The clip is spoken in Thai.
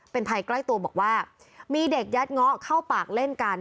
เป็นภัยใกล้ตัวบอกว่ามีเด็กยัดเงาะเข้าปากเล่นกัน